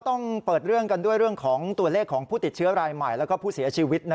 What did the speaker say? ต้องเปิดเรื่องกันด้วยเรื่องของตัวเลขของผู้ติดเชื้อรายใหม่และผู้เสียชีวิต